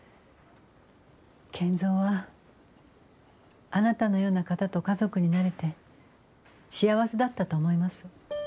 賢三はあなたのような方と家族になれて幸せだったと思います。